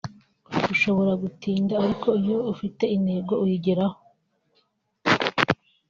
ashobora gutinda ariko iyo ufite intego uyigeraho